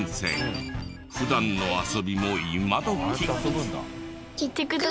普段の遊びも今どき。